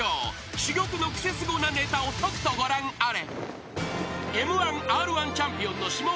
［珠玉のクセスゴなネタをとくとご覧あれ］